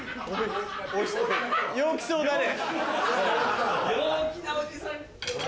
陽気そうだね。